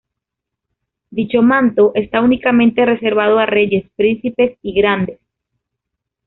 Dicho manto está únicamente reservado a reyes, príncipes y grandes.